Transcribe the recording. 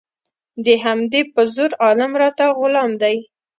د همدې په زور عالم راته غلام دی